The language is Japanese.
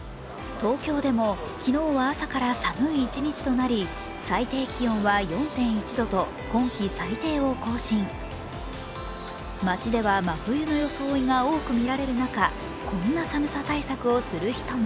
東京でも昨日は朝から寒い一日となり最低気温は４．１度と今季最低を更新街では真冬の装いが多く見られる中、こんな寒さ対策をする人も。